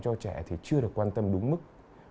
cho trẻ thì chưa được quan tâm đúng mức